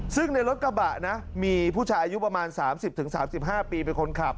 ซึ่งในรถกระบะนะมีผู้ชายอายุประมาณ๓๐๓๕ปีเป็นคนขับ